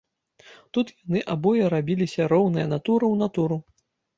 Тут яны абое рабіліся роўныя, натура ў натуру.